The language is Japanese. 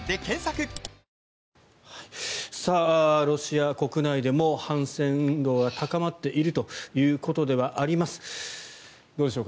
ロシア国内でも反戦ムードが高まっているということではあります。